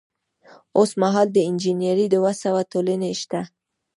اوس مهال د انجنیری دوه سوه ټولنې شته.